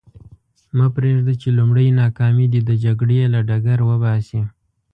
مه پرېږده چې لومړۍ ناکامي دې د جګړې له ډګر وباسي.